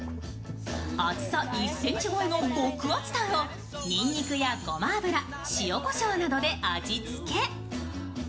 厚さ１ｃｍ超えの極厚タンをにんにくやごま油、塩こしょうなどで味付け。